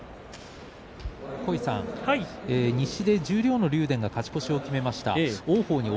十両の竜電が勝ち越しを決めました。